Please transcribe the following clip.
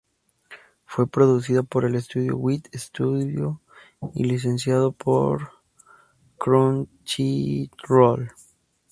Fue producida por el estudio Wit Studio y licenciado por Crunchyroll.